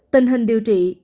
tình hình điều trị